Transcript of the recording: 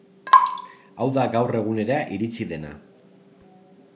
Hau da gaur egunera iritsi dena.